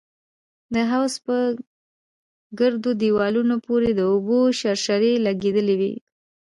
د حوض په ګردو دېوالونو پورې د اوبو شرشرې لگېدلې وې.